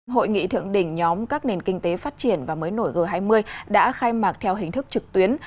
hội nghị thượng đỉnh nhóm các nền kinh tế phát triển và mới nổi g hai mươi đã khai mạc theo hình thức trực tuyến